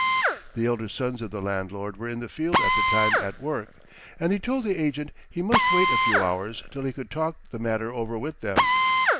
The elder sons of the landlord were in the field at the time at work, and he told the agent he must wait a few hours till he could talk the matter over with them.